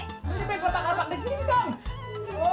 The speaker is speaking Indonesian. lu nyibir kerbak kerbak disini dong